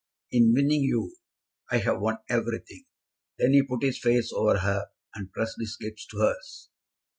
"In winning you I have won everything." Then he put his face over her and pressed his lips to hers.